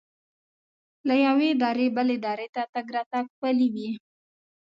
له یوې درې بلې درې ته تګ راتګ پلی وي.